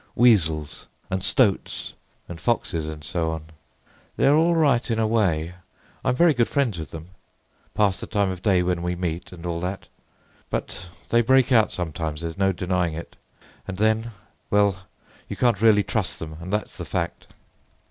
"Weasels—and stoats—and foxes—and so on. They're all right in a way—I'm very good friends with them—pass the time of day when we meet, and all that—but they break out sometimes, there's no denying it, and then—well, you can't really trust them, and that's the fact."